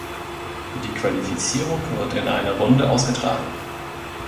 Die Qualifizierung wird in einer Runde ausgetragen.